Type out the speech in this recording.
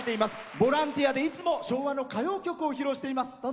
ボランティアでいつも昭和の歌謡曲を披露しています。